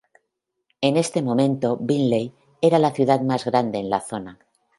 En este momento, Bingley era la ciudad más grande en la zona.